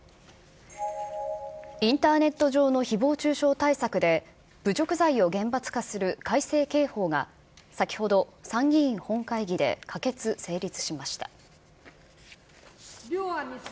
インターネット上のひぼう中傷対策で、侮辱罪を厳罰化する改正刑法が、先ほど参議院本会議で可決・成立しました。